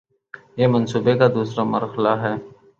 یہ منصوبے کا دوسرا مرحلہ ہے